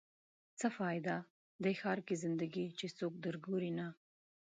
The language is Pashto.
څه فایده؟ دې ښار کې زنده ګي چې څوک در ګوري نه